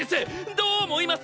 どう思います